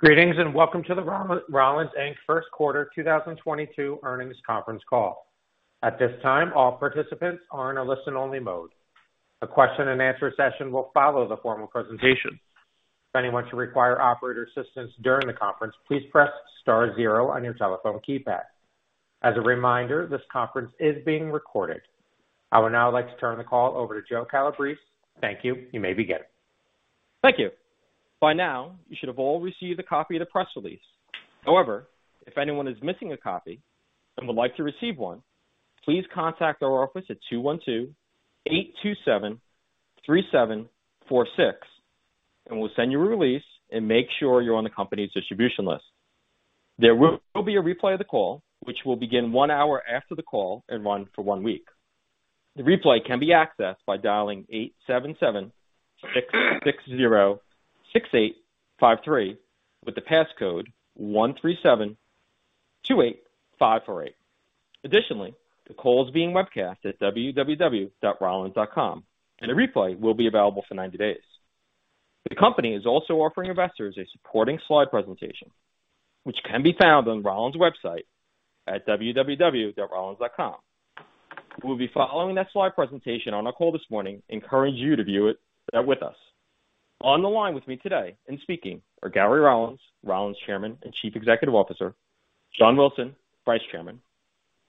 Greetings, and welcome to the Rollins, Inc first quarter 2022 earnings conference call. At this time, all participants are in a listen-only mode. A question-and-answer session will follow the formal presentation. If anyone should require operator assistance during the conference, please press star zero on your telephone keypad. As a reminder, this conference is being recorded. I would now like to turn the call over to Joe Calabrese. Thank you. You may begin. Thank you. By now, you should have all received a copy of the press release. However, if anyone is missing a copy and would like to receive one, please contact our office at 212-827-3746, and we'll send you a release and make sure you're on the company's distribution list. There will be a replay of the call, which will begin one hour after the call and run for one week. The replay can be accessed by dialing 877-606-853 with the passcode 13728548. Additionally, the call is being webcast at www.rollins.com, and a replay will be available for 90 days. The company is also offering investors a supporting slide presentation, which can be found on Rollins website at www.rollins.com. We'll be following that slide presentation on our call this morning. I encourage you to view it with us. On the line with me today and speaking are Gary Rollins Chairman and Chief Executive Officer, John Wilson, Vice Chairman,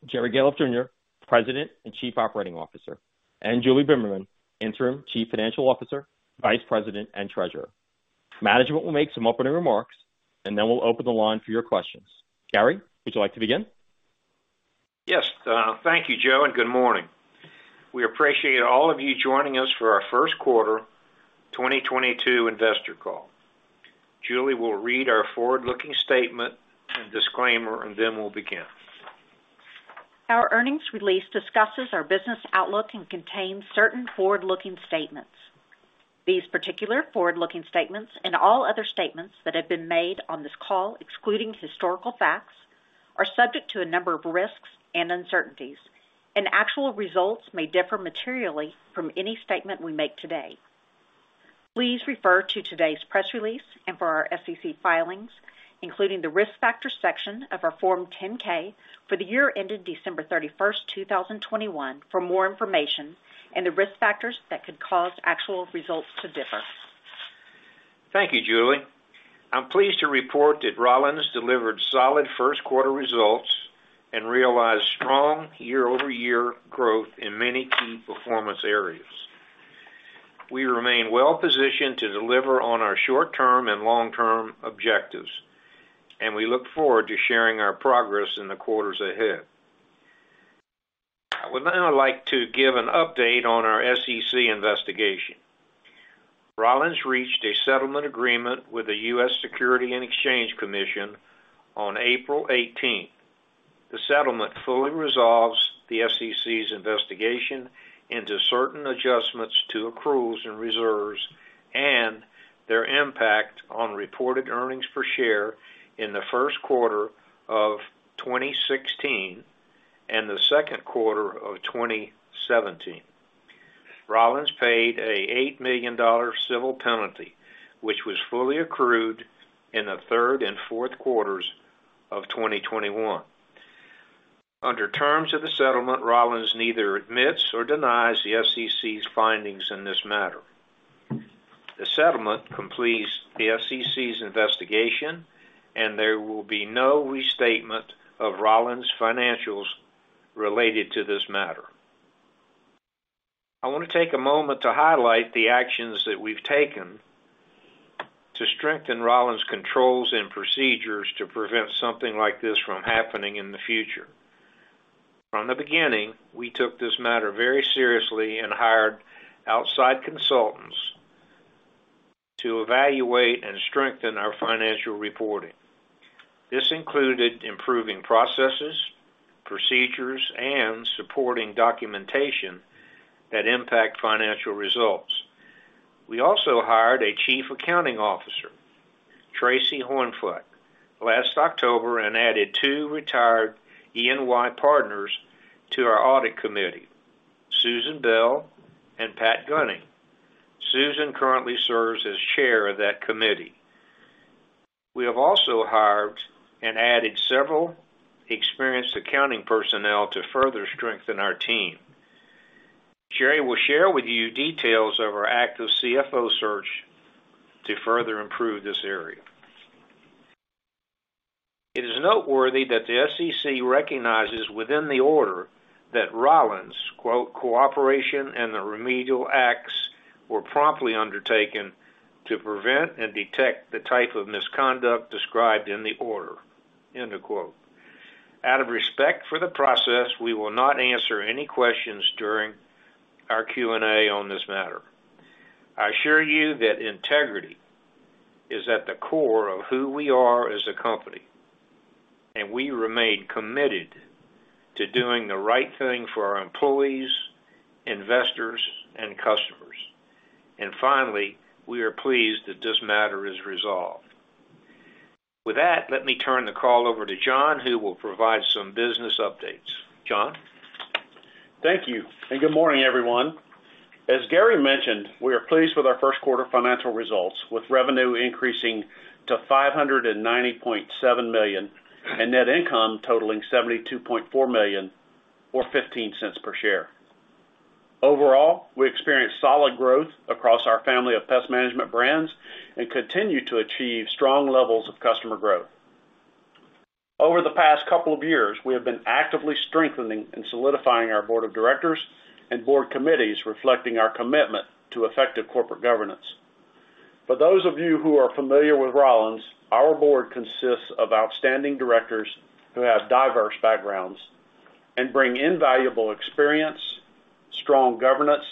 Jerry Gahlhoff Jr., President and Chief Operating Officer, and Julie Bimmerman, Interim Chief Financial Officer, Vice President and Treasurer. Management will make some opening remarks, and then we'll open the line for your questions. Gary, would you like to begin? Yes. Thank you, Joe, and good morning. We appreciate all of you joining us for our first quarter 2022 investor call. Julie will read our forward-looking statement and disclaimer, and then we'll begin. Our earnings release discusses our business outlook and contains certain forward-looking statements. These particular forward-looking statements and all other statements that have been made on this call, excluding historical facts, are subject to a number of risks and uncertainties, and actual results may differ materially from any statement we make today. Please refer to today's press release and to our SEC filings, including the Risk Factors section of our Form 10-K for the year ended December 31, 2021 for more information and the risk factors that could cause actual results to differ. Thank you, Julie. I'm pleased to report that Rollins delivered solid first quarter results and realized strong year-over-year growth in many key performance areas. We remain well positioned to deliver on our short-term and long-term objectives, and we look forward to sharing our progress in the quarters ahead. I would now like to give an update on our SEC investigation. Rollins reached a settlement agreement with the U.S. Securities and Exchange Commission on April 18. The settlement fully resolves the SEC's investigation into certain adjustments to accruals and reserves and their impact on reported earnings per share in the first quarter of 2016 and the second quarter of 2017. Rollins paid an $8 million civil penalty, which was fully accrued in the third and fourth quarters of 2021. Under terms of the settlement, Rollins neither admits nor denies the SEC's findings in this matter. The settlement completes the SEC's investigation, and there will be no restatement of Rollins financials related to this matter. I want to take a moment to highlight the actions that we've taken to strengthen Rollins controls and procedures to prevent something like this from happening in the future. From the beginning, we took this matter very seriously and hired outside consultants to evaluate and strengthen our financial reporting. This included improving processes, procedures, and supporting documentation that impact financial results. We also hired a Chief Accounting Officer, Traci Hornfeck, last October and added two retired E&Y partners to our audit committee, Susan Bell and Pat Gunning. Susan currently serves as chair of that committee. We have also hired and added several experienced accounting personnel to further strengthen our team. Jerry will share with you details of our active CFO search to further improve this area. It is noteworthy that the SEC recognizes within the order that Rollins' quote, cooperation and the remedial acts were promptly undertaken to prevent and detect the type of misconduct described in the order, end of quote. Out of respect for the process, we will not answer any questions during our Q&A on this matter. I assure you that integrity is at the core of who we are as a company, and we remain committed to doing the right thing for our employees, investors, and customers. Finally, we are pleased that this matter is resolved. With that, let me turn the call over to John, who will provide some business updates. John? Thank you, and good morning, everyone. As Gary mentioned, we are pleased with our first quarter financial results, with revenue increasing to $590.7 million, and net income totaling $72.4 million or $0.15 per share. Overall, we experienced solid growth across our family of pest management brands and continue to achieve strong levels of customer growth. Over the past couple of years, we have been actively strengthening and solidifying our board of directors and board committees, reflecting our commitment to effective corporate governance. For those of you who are familiar with Rollins, our board consists of outstanding directors who have diverse backgrounds and bring invaluable experience, strong governance,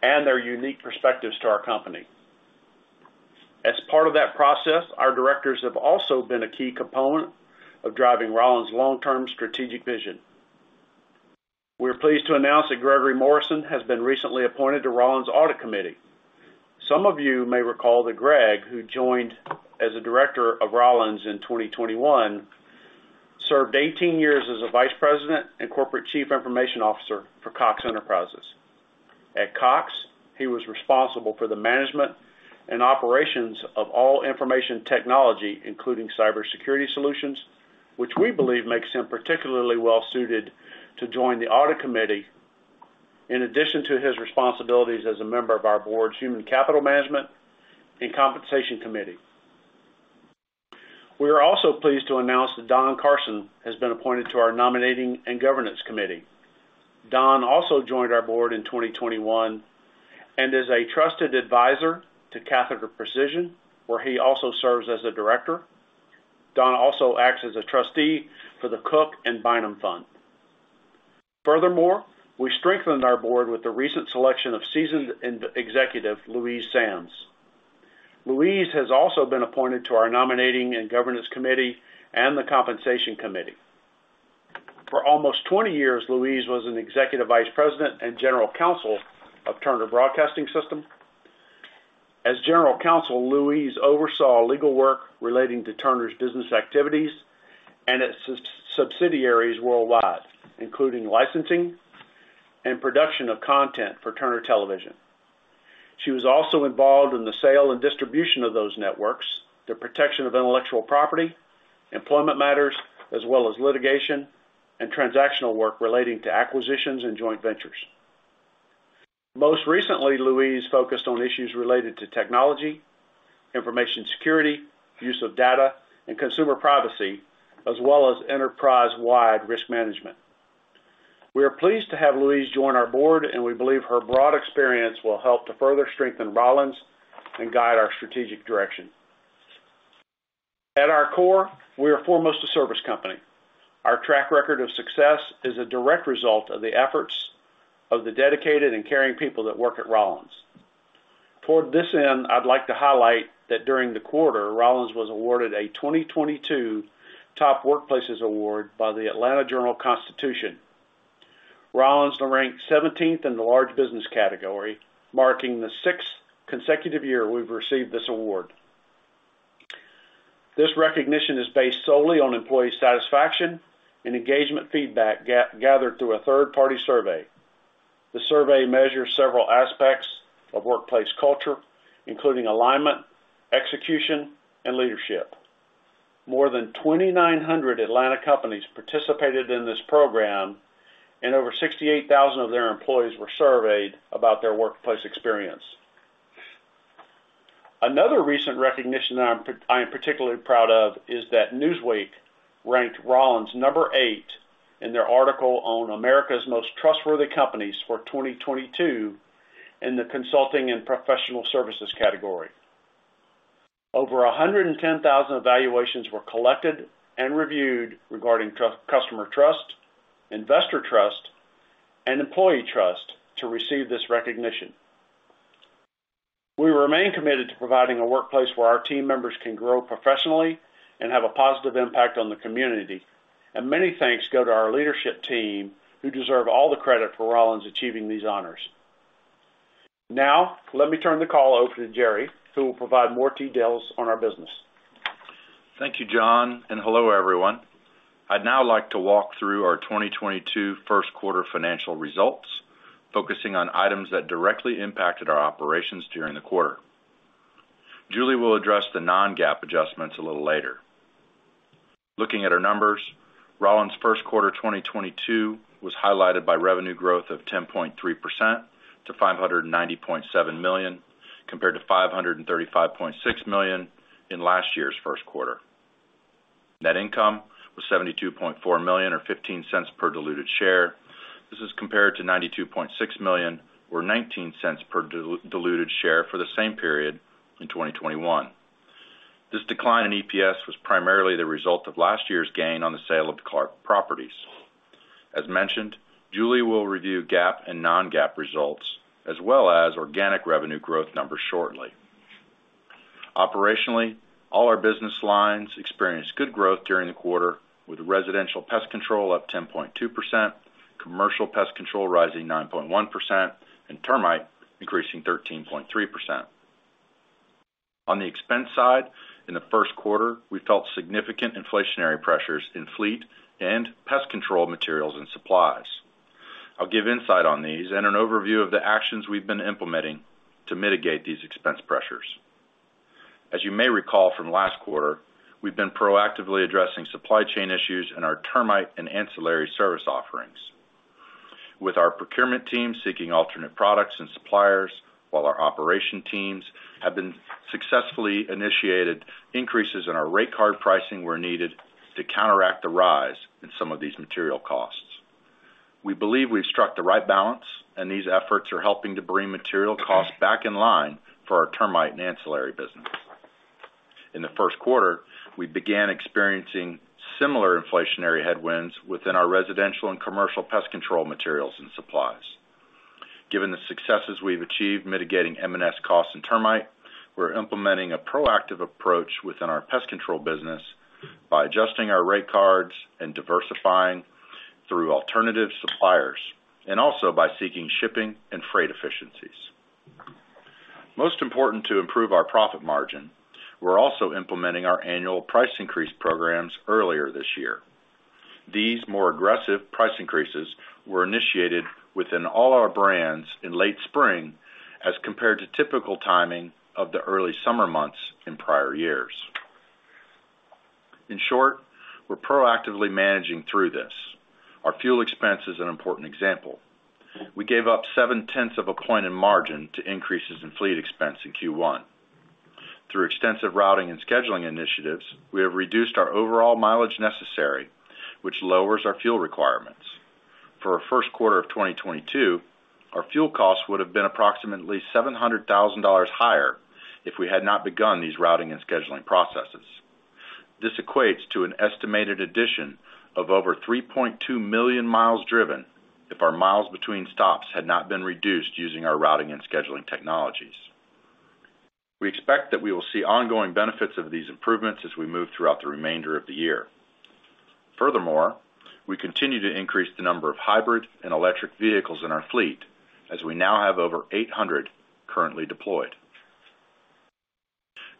and their unique perspectives to our company. As part of that process, our directors have also been a key component of driving Rollins' long-term strategic vision. We're pleased to announce that Gregory Morrison has been recently appointed to Rollins' Audit Committee. Some of you may recall that Greg, who joined as a director of Rollins in 2021, served 18 years as a vice president and corporate chief information officer for Cox Enterprises. At Cox, he was responsible for the management and operations of all information technology, including cybersecurity solutions, which we believe makes him particularly well-suited to join the Audit Committee in addition to his responsibilities as a member of our board's Human Capital Management and Compensation Committee. We are also pleased to announce that Don Carson has been appointed to our Nominating and Governance Committee. Don also joined our board in 2021 and is a trusted advisor to Catheter Precision, where he also serves as a director. Don also acts as a trustee for the Cook & Bynum Fund. Furthermore, we strengthened our board with the recent selection of seasoned executive, Louise S. Sams. Louise has also been appointed to our Nominating and Governance Committee and the Compensation Committee. For almost 20 years, Louise was an executive vice president and general counsel of Turner Broadcasting System. As general counsel, Louise oversaw legal work relating to Turner's business activities and its subsidiaries worldwide, including licensing and production of content for Turner television networks. She was also involved in the sale and distribution of those networks, the protection of intellectual property, employment matters, as well as litigation and transactional work relating to acquisitions and joint ventures. Most recently, Louise focused on issues related to technology, information security, use of data, and consumer privacy, as well as enterprise-wide risk management. We are pleased to have Louise join our board, and we believe her broad experience will help to further strengthen Rollins and guide our strategic direction. At our core, we are foremost a service company. Our track record of success is a direct result of the efforts of the dedicated and caring people that work at Rollins. Toward this end, I'd like to highlight that during the quarter, Rollins was awarded a 2022 Top Workplaces award by the Atlanta Journal-Constitution. Rollins ranked 17th in the large business category, marking the 6th consecutive year we've received this award. This recognition is based solely on employee satisfaction and engagement feedback gathered through a third-party survey. The survey measures several aspects of workplace culture, including alignment, execution, and leadership. More than 2,900 Atlanta companies participated in this program, and over 68,000 of their employees were surveyed about their workplace experience. Another recent recognition I am particularly proud of is that Newsweek ranked Rollins number eight in their article on America's Most Trustworthy Companies for 2022 in the consulting and professional services category. Over 110,000 evaluations were collected and reviewed regarding customer trust, investor trust, and employee trust to receive this recognition. We remain committed to providing a workplace where our team members can grow professionally and have a positive impact on the community. Many thanks go to our leadership team, who deserve all the credit for Rollins achieving these honors. Now, let me turn the call over to Jerry, who will provide more details on our business. Thank you, John, and hello, everyone. I'd now like to walk through our 2022 first quarter financial results, focusing on items that directly impacted our operations during the quarter. Julie will address the non-GAAP adjustments a little later. Looking at our numbers, Rollins' first quarter 2022 was highlighted by revenue growth of 10.3% to $590.7 million, compared to $535.6 million in last year's first quarter. Net income was $72.4 million or $0.15 per diluted share. This is compared to $92.6 million or $0.19 per diluted share for the same period in 2021. This decline in EPS was primarily the result of last year's gain on the sale of the Clark properties. As mentioned, Julie will review GAAP and non-GAAP results as well as organic revenue growth numbers shortly. Operationally, all our business lines experienced good growth during the quarter with residential pest control up 10.2%, commercial pest control rising 9.1%, and termite increasing 13.3%. On the expense side, in the first quarter, we felt significant inflationary pressures in fleet and pest control materials and supplies. I'll give insight on these and an overview of the actions we've been implementing to mitigate these expense pressures. As you may recall from last quarter, we've been proactively addressing supply chain issues in our termite and ancillary service offerings. With our procurement team seeking alternate products and suppliers, while our operation teams have been successfully initiated increases in our rate card pricing where needed to counteract the rise in some of these material costs. We believe we've struck the right balance, and these efforts are helping to bring material costs back in line for our termite and ancillary business. In the first quarter, we began experiencing similar inflationary headwinds within our residential and commercial pest control materials and supplies. Given the successes we've achieved mitigating M&S costs in termite, we're implementing a proactive approach within our pest control business by adjusting our rate cards and diversifying through alternative suppliers, and also by seeking shipping and freight efficiencies. Most important to improve our profit margin, we're also implementing our annual price increase programs earlier this year. These more aggressive price increases were initiated within all our brands in late spring as compared to typical timing of the early summer months in prior years. In short, we're proactively managing through this. Our fuel expense is an important example. We gave up 0.7 of a point in margin to increases in fleet expense in Q1. Through extensive routing and scheduling initiatives, we have reduced our overall mileage necessary, which lowers our fuel requirements. For our first quarter of 2022, our fuel costs would have been approximately $700,000 higher if we had not begun these routing and scheduling processes. This equates to an estimated addition of over 3.2 million mi driven if our miles between stops had not been reduced using our routing and scheduling technologies. We expect that we will see ongoing benefits of these improvements as we move throughout the remainder of the year. Furthermore, we continue to increase the number of hybrid and electric vehicles in our fleet, as we now have over 800 currently deployed.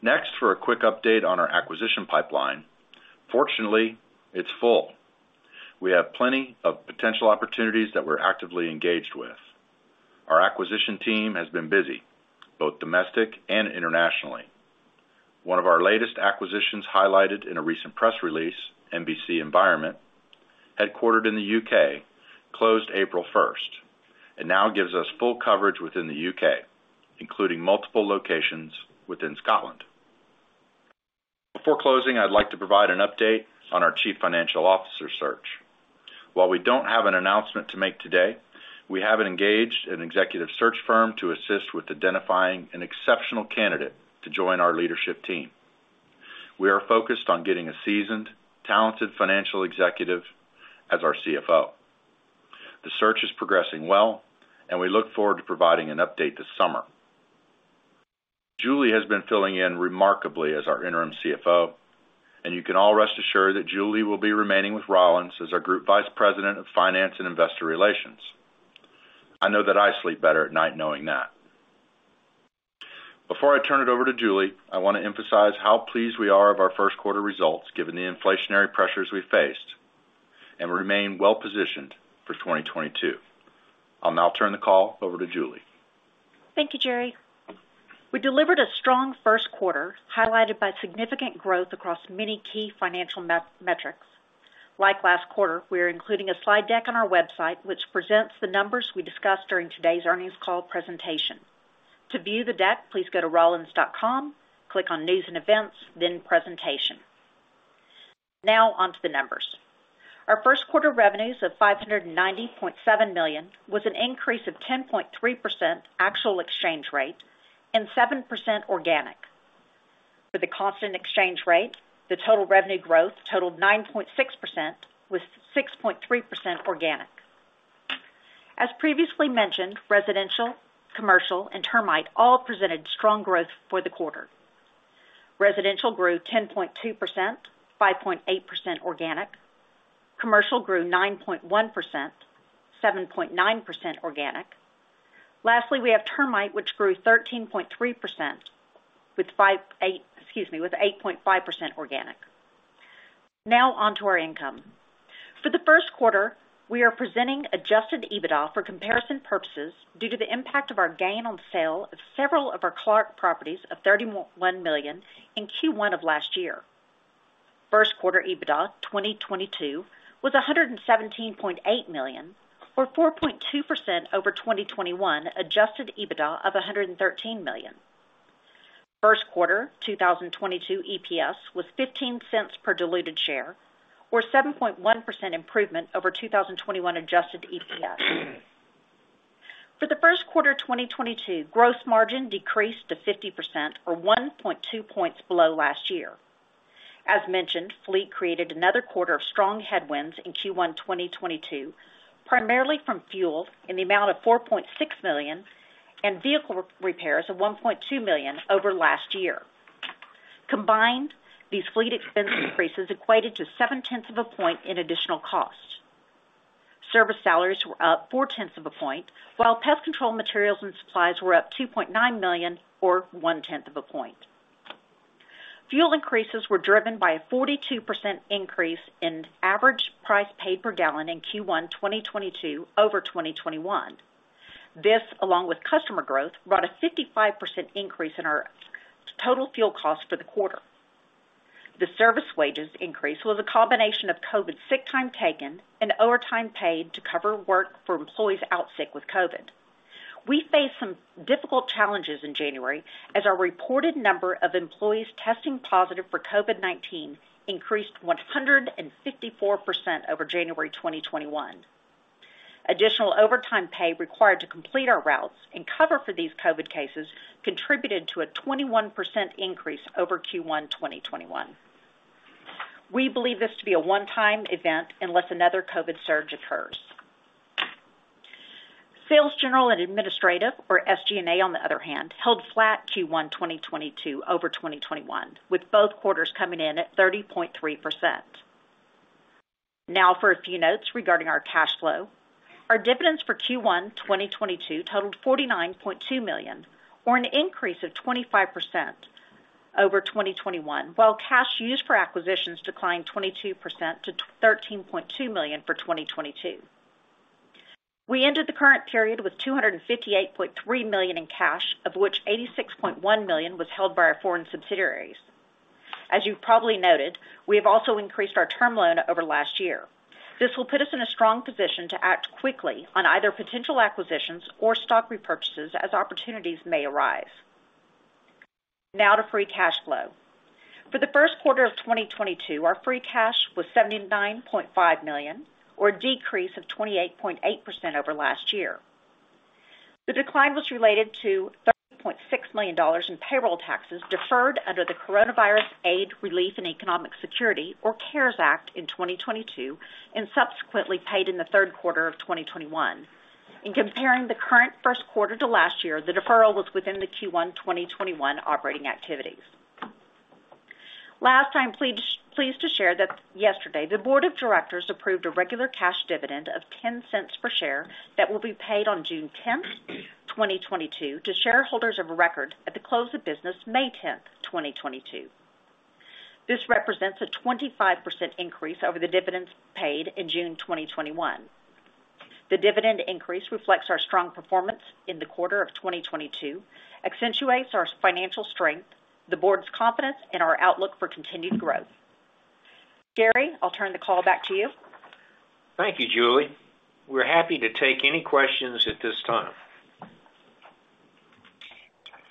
Next, for a quick update on our acquisition pipeline. Fortunately, it's full. We have plenty of potential opportunities that we're actively engaged with. Our acquisition team has been busy, both domestic and internationally. One of our latest acquisitions highlighted in a recent press release, NBC Environment, headquartered in the U.K., closed April 1, and now gives us full coverage within the U.K., including multiple locations within Scotland. Before closing, I'd like to provide an update on our chief financial officer search. While we don't have an announcement to make today, we have engaged an executive search firm to assist with identifying an exceptional candidate to join our leadership team. We are focused on getting a seasoned, talented financial executive as our CFO. The search is progressing well, and we look forward to providing an update this summer. Julie has been filling in remarkably as our interim CFO, and you can all rest assured that Julie will be remaining with Rollins as our Group Vice President of Finance and Investor Relations. I know that I sleep better at night knowing that. Before I turn it over to Julie, I wanna emphasize how pleased we are with our first quarter results, given the inflationary pressures we faced, and remain well-positioned for 2022. I'll now turn the call over to Julie. Thank you, Jerry. We delivered a strong first quarter, highlighted by significant growth across many key financial metrics. Like last quarter, we are including a slide deck on our website which presents the numbers we discussed during today's earnings call presentation. To view the deck, please go to rollins.com, click on News & Events, then Presentation. Now onto the numbers. Our first quarter revenues of $590.7 million was an increase of 10.3% actual exchange rate and 7% organic. For the constant exchange rate, the total revenue growth totaled 9.6%, with 6.3% organic. As previously mentioned, residential, commercial, and termite all presented strong growth for the quarter. Residential grew 10.2%, 5.8% organic. Commercial grew 9.1%, 7.9% organic. Lastly, we have termite, which grew 13.3%, with 8.5% organic. Now on to our income. For the first quarter, we are presenting Adjusted EBITDA for comparison purposes due to the impact of our gain on sale of several of our Clark properties of $1 million in Q1 of last year. First quarter 2022 EBITDA was $117.8 million, or 4.2% over 2021 Adjusted EBITDA of $113 million. First quarter 2022 EPS was $0.15 per diluted share or 7.1% improvement over 2021 adjusted EPS. For the first quarter of 2022, gross margin decreased to 50% or 1.2 points below last year. As mentioned, fleet created another quarter of strong headwinds in Q1 2022, primarily from fuel in the amount of $4.6 million and vehicle repairs of $1.2 million over last year. Combined, these fleet expense increases equated to 0.7 of a point in additional cost. Service salaries were up 0.4 of a point, while pest control materials and supplies were up $2.9 million, or 0.1 of a point. Fuel increases were driven by a 42% increase in average price paid per gallon in Q1 2022 over 2021. This, along with customer growth, brought a 55% increase in our total fuel costs for the quarter. The service wages increase was a combination of COVID sick time taken and overtime paid to cover work for employees out sick with COVID. We faced some difficult challenges in January as our reported number of employees testing positive for COVID-19 increased 154% over January 2021. Additional overtime pay required to complete our routes and cover for these COVID cases contributed to a 21% increase over Q1 2021. We believe this to be a one-time event unless another COVID surge occurs. Sales, general and administrative, or SG&A, on the other hand, held flat Q1 2022 over 2021, with both quarters coming in at 30.3%. Now for a few notes regarding our cash flow. Our dividends for Q1 2022 totaled $49.2 million, or an increase of 25% over 2021, while cash used for acquisitions declined 22% to $13.2 million for 2022. We ended the current period with $258.3 million in cash, of which $86.1 million was held by our foreign subsidiaries. As you've probably noted, we have also increased our term loan over last year. This will put us in a strong position to act quickly on either potential acquisitions or stock repurchases as opportunities may arise. Now to Free Cash Flow. For the first quarter of 2022, our free cash was $79.5 million or a decrease of 28.8% over last year. The decline was related to $30.6 million in payroll taxes deferred under the Coronavirus Aid, Relief, and Economic Security, or CARES Act, in 2022 and subsequently paid in the third quarter of 2021. In comparing the current first quarter to last year, the deferral was within the Q1 2021 operating activities. Last, I am pleased to share that yesterday the board of directors approved a regular cash dividend of $0.10 per share that will be paid on June 10, 2022, to shareholders of record at the close of business May 10, 2022. This represents a 25% increase over the dividends paid in June 2021. The dividend increase reflects our strong performance in the quarter of 2022, accentuates our financial strength, the board's confidence, and our outlook for continued growth. Gary, I'll turn the call back to you. Thank you, Julie. We're happy to take any questions at this time.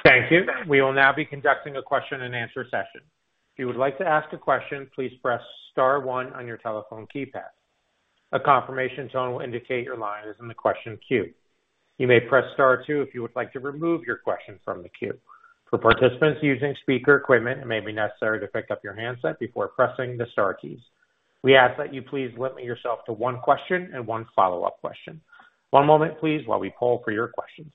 Thank you. We will now be conducting a question-and-answer session. If you would like to ask a question, please press star one on your telephone keypad. A confirmation tone will indicate your line is in the question queue. You may press star two if you would like to remove your question from the queue. For participants using speaker equipment, it may be necessary to pick up your handset before pressing the star keys. We ask that you please limit yourself to one question and one follow-up question. One moment, please, while we poll for your questions.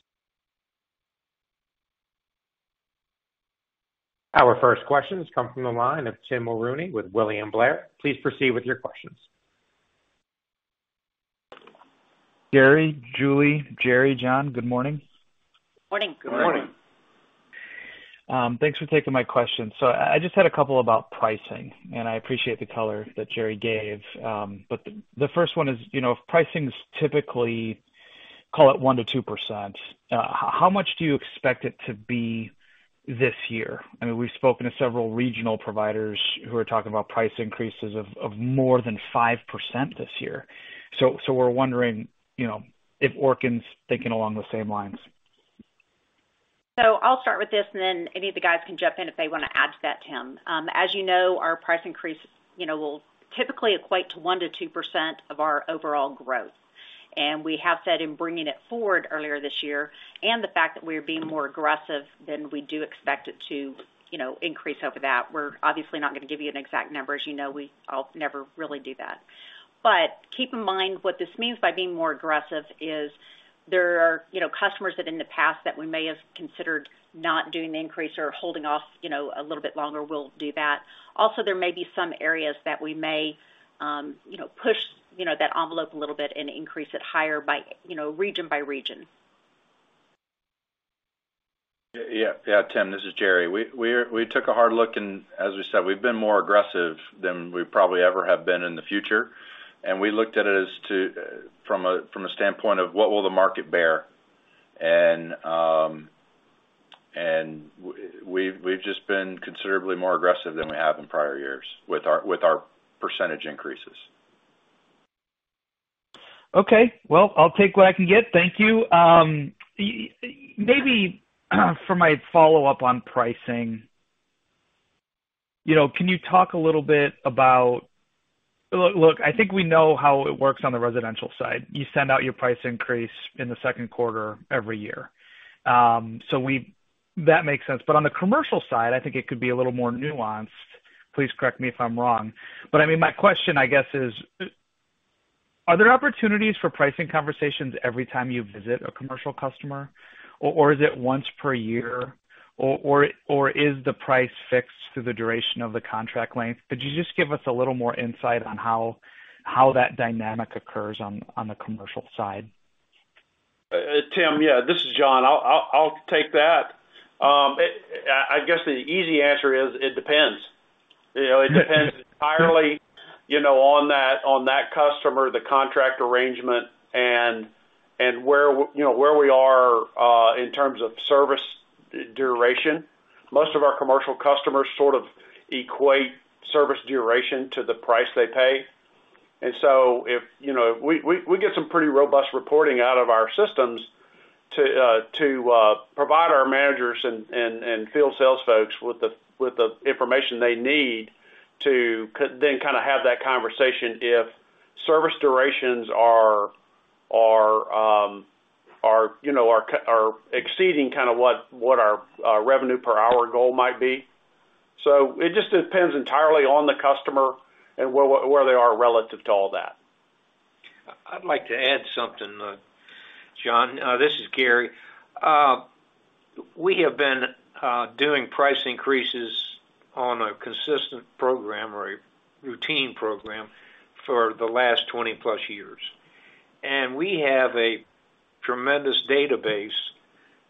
Our first question has come from the line of Tim Mulrooney with William Blair. Please proceed with your questions. Gary, Julie, Jerry, John, good morning. Morning. Good morning. Thanks for taking my question. I just had a couple about pricing, and I appreciate the color that Gerry gave. The first one is, you know, if pricing's typically, call it 1%-2%, how much do you expect it to be this year? I mean, we've spoken to several regional providers who are talking about price increases of more than 5% this year. We're wondering, you know, if Orkin's thinking along the same lines. I'll start with this, and then any of the guys can jump in if they want to add to that, Tim. As you know, our price increase, you know, will typically equate to 1%-2% of our overall growth. We have said in bringing it forward earlier this year, and the fact that we are being more aggressive, then we do expect it to, you know, increase over that. We're obviously not gonna give you an exact number. As you know, we all never really do that. Keep in mind, what this means by being more aggressive is there are, you know, customers that in the past that we may have considered not doing the increase or holding off, you know, a little bit longer, we'll do that. Also, there may be some areas that we may, you know, push, you know, that envelope a little bit and increase it higher by, you know, region by region. Yeah. Yeah, Tim, this is Jerry. We took a hard look, and as we said, we've been more aggressive than we probably ever have been in the future. We looked at it from a standpoint of what the market will bear. We've just been considerably more aggressive than we have in prior years with our percentage increases. Okay. Well, I'll take what I can get. Thank you. Maybe for my follow-up on pricing, you know, can you talk a little bit about. Look, I think we know how it works on the residential side. You send out your price increase in the second quarter every year. So that makes sense. On the commercial side, I think it could be a little more nuanced. Please correct me if I'm wrong, but I mean, my question, I guess, is, are there opportunities for pricing conversations every time you visit a commercial customer, or is it once per year, or is the price fixed to the duration of the contract length? Could you just give us a little more insight on how that dynamic occurs on the commercial side? Tim, yeah, this is John. I'll take that. I guess the easy answer is, it depends. You know, it depends entirely, you know, on that customer, the contract arrangement and where you know, where we are in terms of service duration. Most of our commercial customers sort of equate service duration to the price they pay. If you know, we get some pretty robust reporting out of our systems to provide our managers and field sales folks with the information they need to then kind of have that conversation if service durations are exceeding kind of what our revenue per hour goal might be. It just depends entirely on the customer and where they are relative to all that. I'd like to add something, John. This is Gary. We have been doing price increases on a consistent program or a routine program for the last 20+ years. We have a tremendous database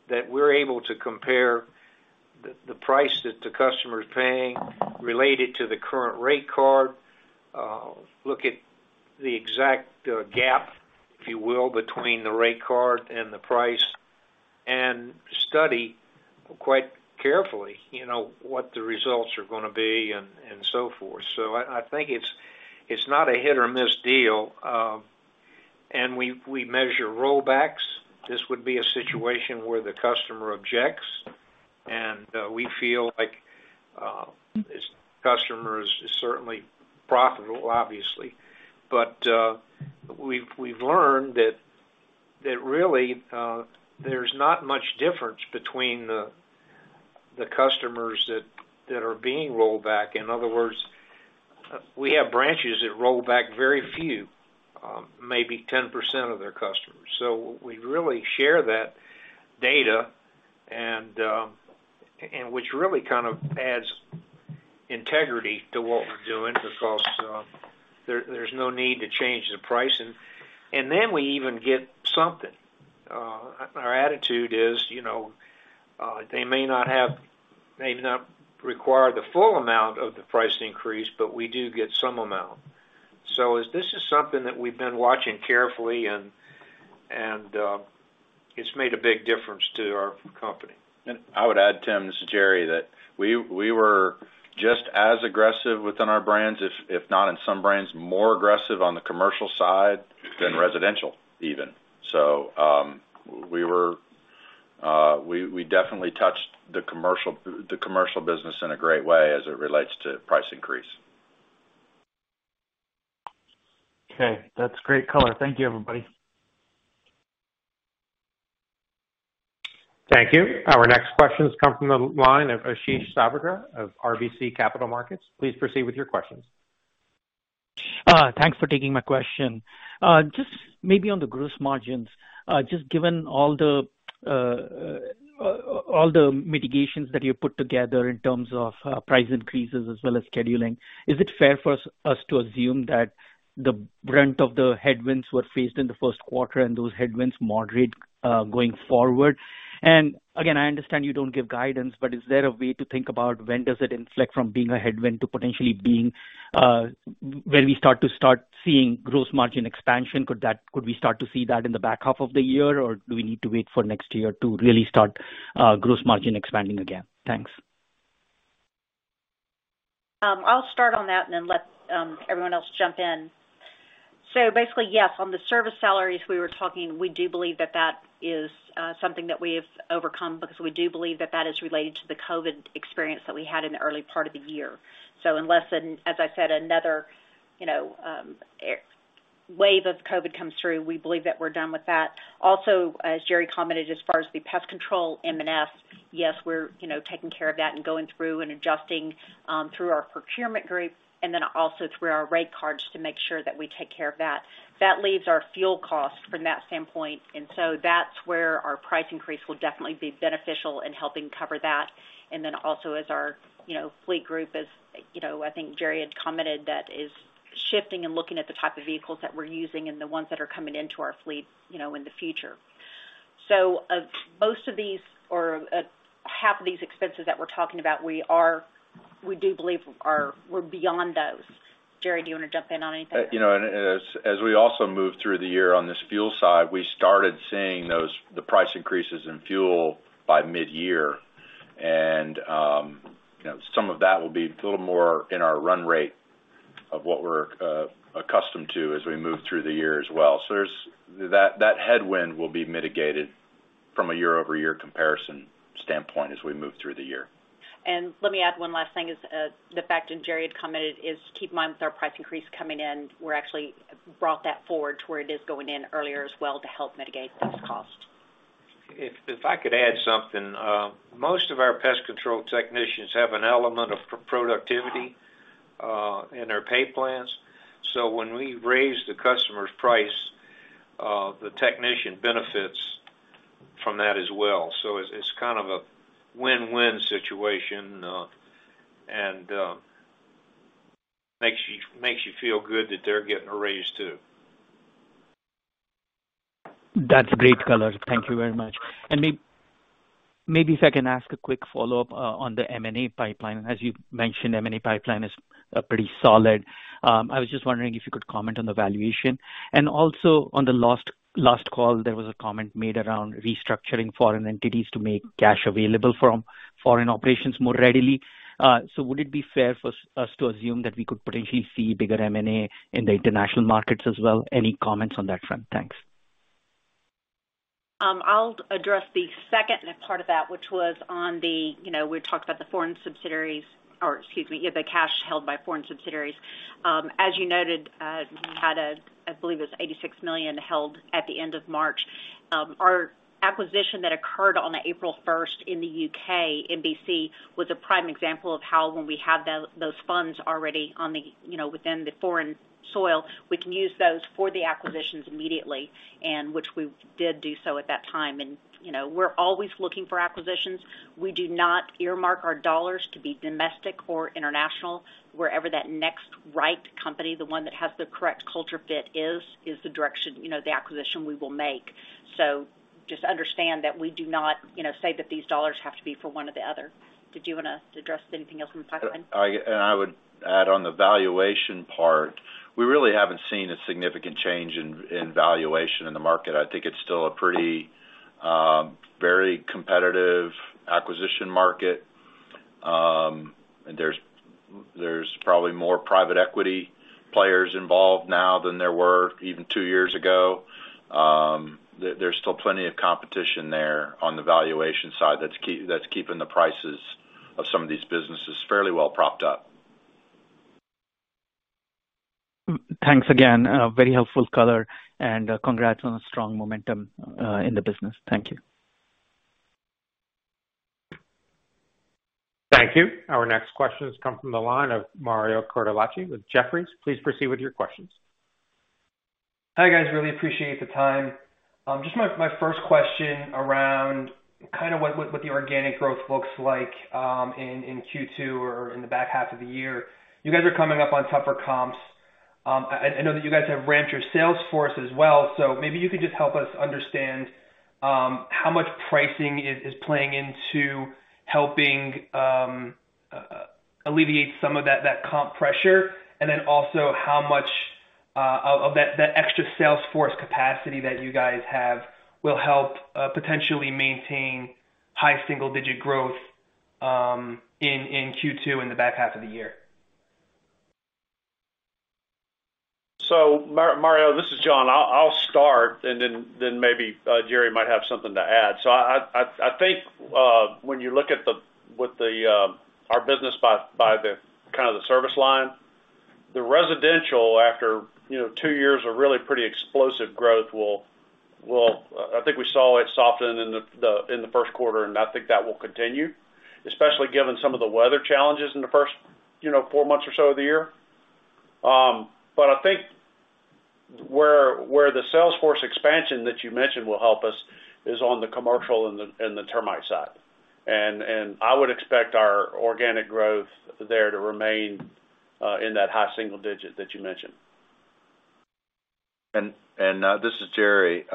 that we're able to compare the price that the customer is paying related to the current rate card, look at the exact gap, if you will, between the rate card and the price, and study quite carefully, you know, what the results are gonna be and so forth. I think it's not a hit or miss deal. We measure rollbacks. This would be a situation where the customer objects, and we feel like this customer is certainly profitable, obviously. We've learned that really there's not much difference between the customers that are being rolled back. In other words, we have branches that roll back very few, maybe 10% of their customers. We really share that data and which really kind of adds integrity to what we're doing because there's no need to change the pricing. Then we even get something. Our attitude is, you know, they may not require the full amount of the price increase, but we do get some amount. This is something that we've been watching carefully and it's made a big difference to our company. I would add, Tim, this is Jerry, that we were just as aggressive within our brands, if not in some brands, more aggressive on the commercial side than residential even. We definitely touched the commercial business in a great way as it relates to price increase. Okay. That's great color. Thank you, everybody. Thank you. Our next question comes from the line of Ashish Sabadra of RBC Capital Markets. Please proceed with your questions. Thanks for taking my question. Just maybe on the gross margins, just given all the mitigations that you put together in terms of price increases as well as scheduling, is it fair for us to assume that the brunt of the headwinds were faced in the first quarter and those headwinds moderate going forward? Again, I understand you don't give guidance, but is there a way to think about when does it inflect from being a headwind to potentially being when we start seeing gross margin expansion? Could we start to see that in the back half of the year, or do we need to wait for next year to really start gross margin expanding again? Thanks. I'll start on that and then let everyone else jump in. Basically, yes, on the service salaries we were talking, we do believe that is something that we have overcome because we do believe that is related to the COVID experience that we had in the early part of the year. Unless, as I said, another, you know, wave of COVID comes through, we believe that we're done with that. Also, as Gerry commented, as far as the pest control M&S, yes, we're, you know, taking care of that and going through and adjusting through our procurement group and then also through our rate cards to make sure that we take care of that. That leaves our fuel cost from that standpoint. That's where our price increase will definitely be beneficial in helping cover that. Then also as our, you know, fleet group is, you know, I think Jerry had commented that is shifting and looking at the type of vehicles that we're using and the ones that are coming into our fleet, you know, in the future. Most of these or half of these expenses that we're talking about, we do believe we're beyond those. Jerry, do you wanna jump in on anything? You know, as we also move through the year on this fuel side, we started seeing the price increases in fuel by mid-year. You know, some of that will be a little more in our run rate of what we're accustomed to as we move through the year as well. There's that headwind will be mitigated from a year-over-year comparison standpoint as we move through the year. Let me add one last thing is the fact, and Jerry had commented, is keep in mind with our price increase coming in, we're actually brought that forward to where it is going in earlier as well to help mitigate those costs. If I could add something, most of our pest control technicians have an element of productivity in their pay plans. When we raise the customer's price, the technician benefits from that as well. It's kind of a win-win situation. Makes you feel good that they're getting a raise too. That's great color. Thank you very much. Maybe if I can ask a quick follow-up on the M&A pipeline. As you've mentioned, M&A pipeline is pretty solid. I was just wondering if you could comment on the valuation. Also on the last call, there was a comment made around restructuring foreign entities to make cash available from foreign operations more readily. Would it be fair for us to assume that we could potentially see bigger M&A in the international markets as well? Any comments on that front? Thanks. I'll address the second part of that, which was on the, you know, we talked about the foreign subsidiaries, the cash held by foreign subsidiaries. As you noted, we had, I believe it was $86 million held at the end of March. Our acquisition that occurred on April 1 in the U.K., NBC, was a prime example of how when we have those funds already on the, you know, within the foreign soil, we can use those for the acquisitions immediately, and which we did do so at that time. You know, we're always looking for acquisitions. We do not earmark our dollars to be domestic or international. Wherever that next right company, the one that has the correct culture fit is the direction, you know, the acquisition we will make. Just understand that we do not, you know, say that these dollars have to be for one or the other. Did you wanna address anything else in the pipeline? I would add on the valuation part, we really haven't seen a significant change in valuation in the market. I think it's still a pretty very competitive acquisition market. There's probably more private equity players involved now than there were even two years ago. There's still plenty of competition there on the valuation side that's keeping the prices of some of these businesses fairly well propped up. Thanks again. Very helpful color, and, congrats on the strong momentum, in the business. Thank you. Thank you. Our next question has come from the line of Mario Cortellacci with Jefferies. Please proceed with your questions. Hi, guys. Really appreciate the time. Just my first question around kind of what the organic growth looks like in Q2 or in the back half of the year. You guys are coming up on tougher comps. I know that you guys have ramped your sales force as well, so maybe you could just help us understand how much pricing is playing into helping alleviate some of that comp pressure, and then also how much of that extra sales force capacity that you guys have will help potentially maintain high single digit growth in Q2 in the back half of the year. Mario, this is John. I'll start and then maybe Jerry might have something to add. I think when you look at how our business by the kind of service line, the residential, after two years of really pretty explosive growth. I think we saw it soften in the first quarter, and I think that will continue, especially given some of the weather challenges in the first four months or so of the year. But I think where the sales force expansion that you mentioned will help us is on the commercial and the termite side. I would expect our organic growth there to remain in that high single digit that you mentioned. This is Jerry.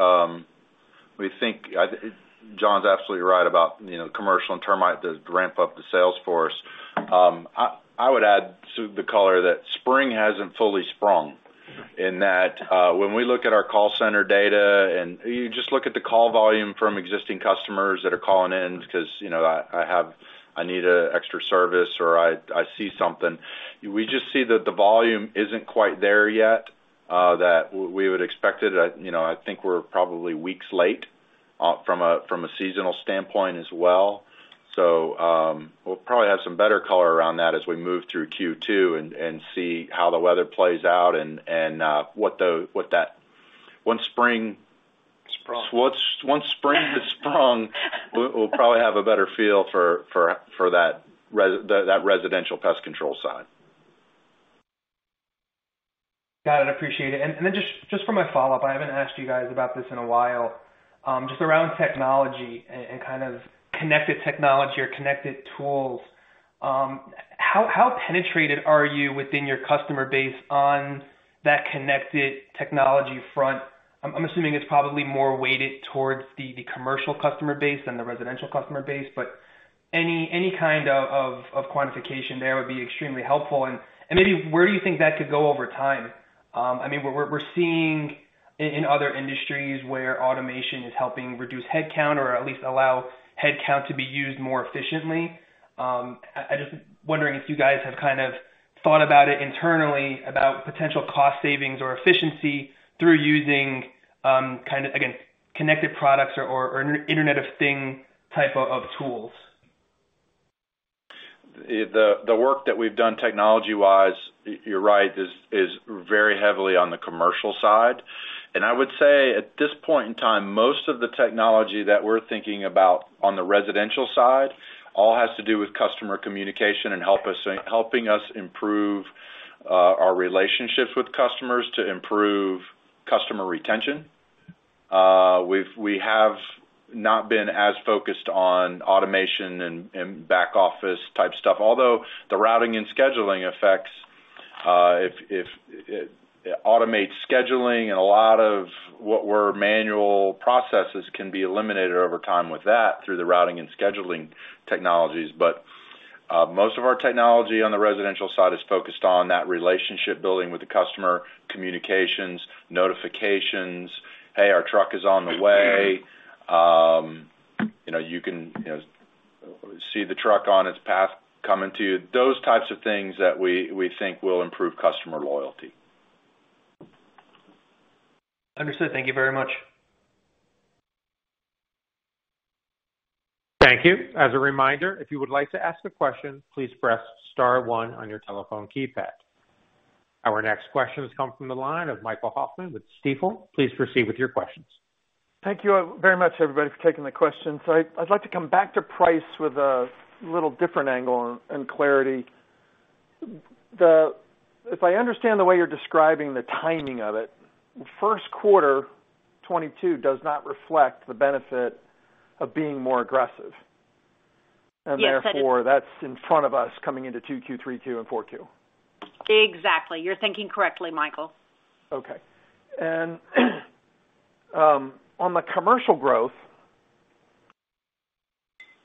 John's absolutely right about, you know, commercial and termite to ramp up the sales force. I would add to the color that spring hasn't fully sprung in that, when we look at our call center data and you just look at the call volume from existing customers that are calling in because, you know, I need an extra service or I see something, we just see that the volume isn't quite there yet, that we would expect it. You know, I think we're probably weeks late from a seasonal standpoint as well. We'll probably have some better color around that as we move through Q2 and see how the weather plays out and what that. Sprung. Once spring has sprung, we'll probably have a better feel for that residential pest control side. Got it. Appreciate it. Then just for my follow-up, I haven't asked you guys about this in a while, just around technology and kind of connected technology or connected tools, how penetrated are you within your customer base on that connected technology front? I'm assuming it's probably more weighted towards the commercial customer base than the residential customer base, but any kind of quantification there would be extremely helpful. Maybe where do you think that could go over time? I mean, we're seeing in other industries where automation is helping reduce headcount or at least allow headcount to be used more efficiently. I just wondering if you guys have kind of thought about it internally about potential cost savings or efficiency through using kind of, again, connected products or Internet of Things type of tools? The work that we've done technology-wise, you're right, is very heavily on the commercial side. I would say at this point in time, most of the technology that we're thinking about on the residential side all has to do with customer communication and helping us improve our relationships with customers to improve customer retention. We have not been as focused on automation and back office type stuff. Although the routing and scheduling efforts, if it automates scheduling and a lot of what were manual processes can be eliminated over time with that through the routing and scheduling technologies. Most of our technology on the residential side is focused on that relationship building with the customer, communications, notifications, "Hey, our truck is on the way." You know, you can, you know, see the truck on its path coming to you. Those types of things that we think will improve customer loyalty. Understood. Thank you very much. Thank you. As a reminder, if you would like to ask a question, please press star one on your telephone keypad. Our next question has come from the line of Michael Hoffman with Stifel. Please proceed with your questions. Thank you very much everybody for taking the questions. I'd like to come back to price with a little different angle and clarity. If I understand the way you're describing the timing of it, first quarter 2022 does not reflect the benefit of being more aggressive. Yes, that is. Therefore, that's in front of us coming into 2Q, 3Q, and 4Q. Exactly. You're thinking correctly, Michael. Okay. On the commercial growth,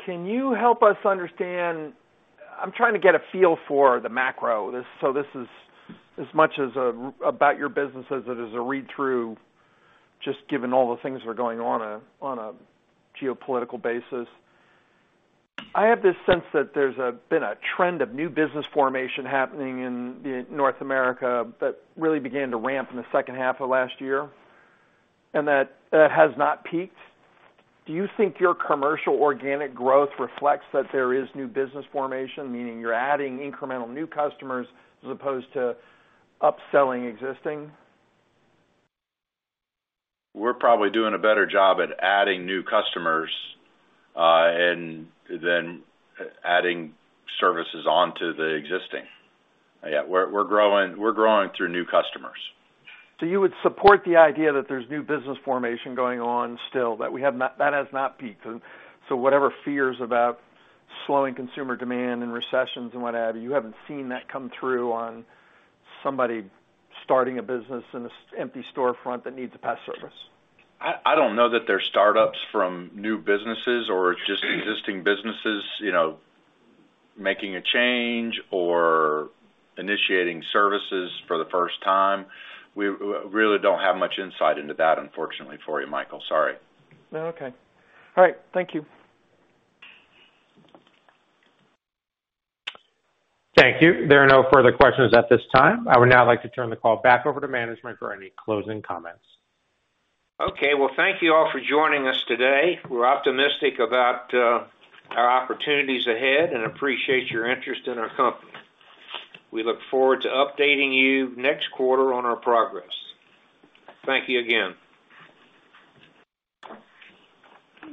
can you help us understand. I'm trying to get a feel for the macro. This is as much about your business as it is a read-through, just given all the things that are going on a geopolitical basis. I have this sense that there's been a trend of new business formation happening in North America that really began to ramp in the second half of last year, and that has not peaked. Do you think your commercial organic growth reflects that there is new business formation, meaning you're adding incremental new customers as opposed to upselling existing? We're probably doing a better job at adding new customers, and then adding services onto the existing. Yeah, we're growing through new customers. You would support the idea that there's new business formation going on still, that has not peaked. Whatever fears about slowing consumer demand and recessions and what have you haven't seen that come through on somebody starting a business in an empty storefront that needs a pest service? I don't know that they're startups from new businesses or just existing businesses, you know, making a change or initiating services for the first time. We really don't have much insight into that, unfortunately for you, Michael. Sorry. Okay. All right. Thank you. Thank you. There are no further questions at this time. I would now like to turn the call back over to management for any closing comments. Okay. Well, thank you all for joining us today. We're optimistic about our opportunities ahead and appreciate your interest in our company. We look forward to updating you next quarter on our progress. Thank you again.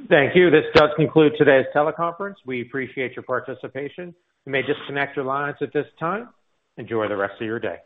Thank you. This does conclude today's teleconference. We appreciate your participation. You may disconnect your lines at this time. Enjoy the rest of your day.